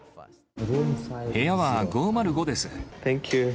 部屋は５０５です。